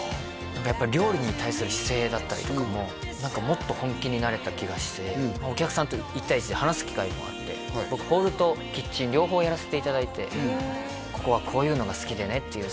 何かやっぱり料理に対する姿勢だったりとかも何かお客さんと１対１で話す機会もあって僕ホールとキッチン両方やらせていただいてここはこういうのが好きでねっていう